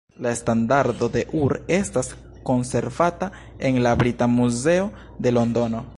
La Standardo de Ur estas konservata en la Brita Muzeo de Londono.